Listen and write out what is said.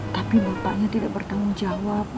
tapi bapaknya tidak bertanggung jawab